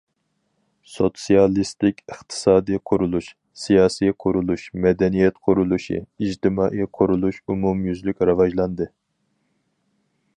سوتسىيالىستىك ئىقتىسادىي قۇرۇلۇش، سىياسىي قۇرۇلۇش، مەدەنىيەت قۇرۇلۇشى، ئىجتىمائىي قۇرۇلۇش ئومۇميۈزلۈك راۋاجلاندى.